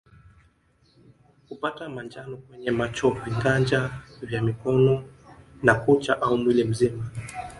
Kupata manjano kwenye macho vinganja vya mikono na kucha au mwili mzima